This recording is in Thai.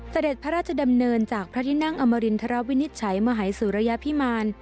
เสด็จพระราชดำเนินจากพระฤนธาร์มะรีนทะเลาะวินิจฉัยมหายสุรรยภิมาน